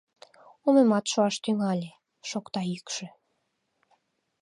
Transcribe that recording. — Омемат шуаш тӱҥале, — шокта йӱкшӧ...